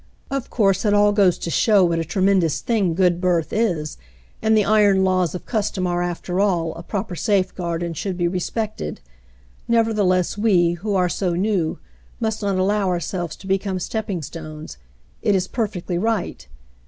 Of course, it all goes to show what a tremendous thing good birth is, and the iron laws of custom are, after all, a proper safeguard and should be respected. Nevertheless we, who are so new, must not allow ourselves to become stepping stones. It is per fectly right.